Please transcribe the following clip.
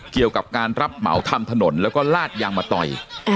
เกี่ยวกับการรับเหมาทำถนนแล้วก็ลาดยางมาต่อย